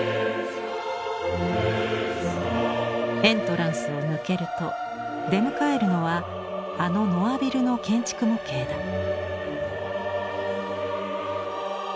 エントランスを抜けると出迎えるのはあのノアビルの建築模型だ。